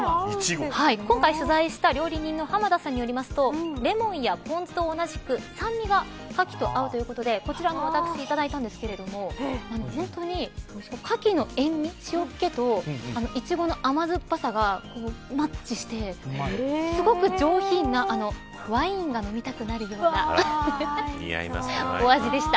今回取材した料理人が浜田さんによりますとレモンやぽん酢と同じく酸味がかきと合うということでこちらも私いただいたんですけど本当に、かきの塩味とイチゴの甘酸っぱさがマッチしてすごく上品なワインが飲みたくなるようなお味でした。